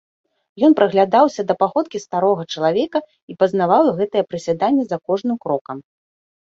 Ён прыглядаўся да паходкі старога чалавека і пазнаваў гэтае прысяданне за кожным крокам.